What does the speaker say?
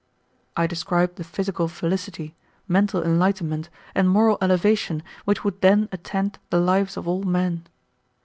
I described the physical felicity, mental enlightenment, and moral elevation which would then attend the lives of all men.